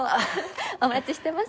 お待ちしてます。